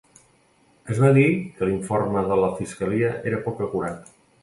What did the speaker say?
Es va dir que l'informe de la fiscalia era poc acurat.